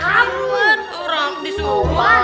kamu orang disuruh